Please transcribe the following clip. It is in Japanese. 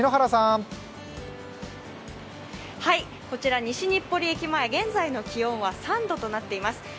こちら西日暮里駅前現在の気温は３度となっています。